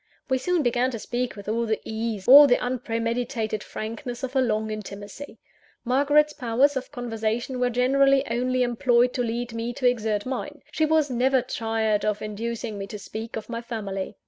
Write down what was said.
We soon began to speak with all the ease, all the unpremeditated frankness of a long intimacy. Margaret's powers of conversation were generally only employed to lead me to exert mine. She was never tired of inducing me to speak of my family.